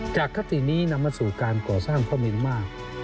จากคัตินี้นำมาสู่การก่อสร้างพระมิงมาก